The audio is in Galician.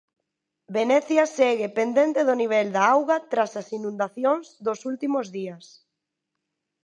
Venecia segue pendente do nivel da auga tras as inundacións dos últimos días.